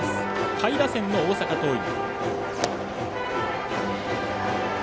下位打線の大阪桐蔭。